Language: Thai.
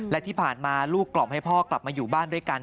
และที่ผ่านมาลูกกล่อมให้พ่อกลับมาอยู่บ้านด้วยกัน